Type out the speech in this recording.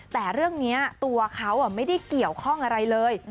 แต่เรื่องนี้ตัวเขาไม่ได้เกี่ยวข้องอะไรเลย